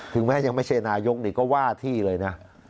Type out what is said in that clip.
แม้ยังไม่ใช่นายกนี่ก็ว่าที่เลยนะ